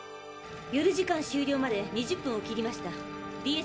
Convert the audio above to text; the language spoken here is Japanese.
夜時間終りょうまで２０分を切りました。